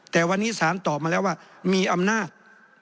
แต่วันนี้สารตอบมาแล้วว่ามีอำนาจ